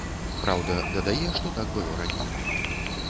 Праўда, дадае, што так было раней.